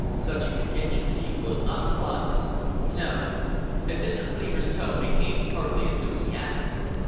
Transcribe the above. Such a contingency will not arise. No," and Mr. Cleaver's tone became heartily enthusiastic.